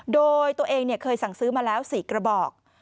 โดยตัวเองเคยสั่งซื้อมาแล้ว๔กระบอก